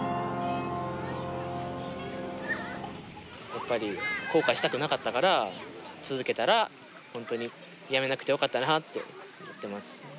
やっぱり後悔したくなかったから続けたら本当にやめなくてよかったなって思ってます。